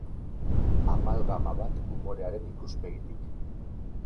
Amalgama bat umorearen ikuspegitik.